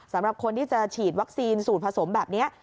สำหรับคนที่จะฉีดวัคซีนสูตรผสมแบบนี้